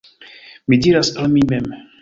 Mi diras al mi mem: